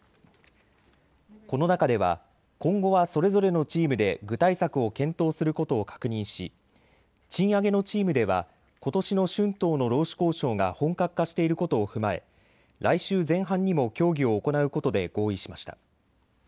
この中では今後はそれぞれのチームで具体策を検討することを確認し、賃上げのチームではことしの春闘の労使交渉が本格化していることを踏まえ来週前半にも協議を行うことで合意しました。